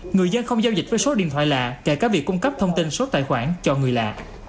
người dân không giao dịch với số điện thoại lạ kể cả việc cung cấp thông tin số tài khoản cho người lạ